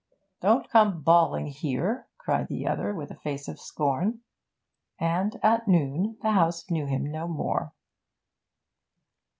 'Don't come bawling here!' cried the other, with a face of scorn. And at noon the house knew him no more.